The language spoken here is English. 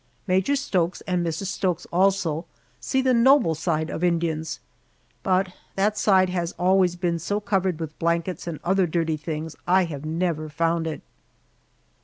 Major Stokes and Mrs. Stokes, also, see the noble side of Indians, but that side has always been so covered with blankets and other dirty things I have never found it!